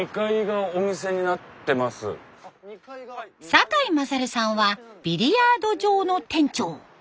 酒井優さんはビリヤード場の店長。